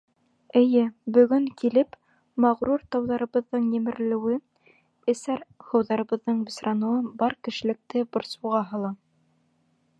Эйе, бөгөн килеп, мәғрур тауҙарыбыҙҙың емерелеүе, эсәр һыуҙарыбыҙҙың бысраныуы бар кешелекте борсоуға һала.